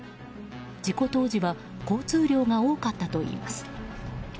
事故当時は交通量が多かったといいます。